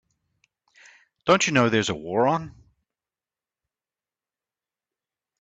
Don't you know there's a war on?